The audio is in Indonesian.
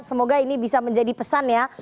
semoga ini bisa menjadi pesan ya